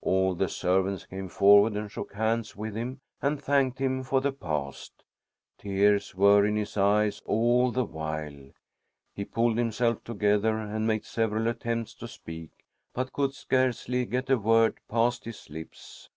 All the servants came forward and shook hands with him and thanked him for the past. Tears were in his eyes all the while. He pulled himself together and made several attempts to speak, but could scarcely get a word past his lips.